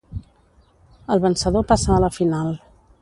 El vencedor passa a la final.